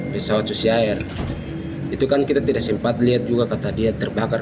pesawat susi air itu kan kita tidak sempat lihat juga kata dia terbakar